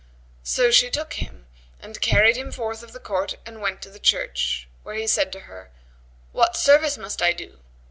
So she took him and carried him forth of the court and went to the church, where he said to her, "What service must I do?"